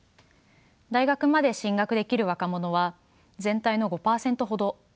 大学まで進学できる若者は全体の５％ほど。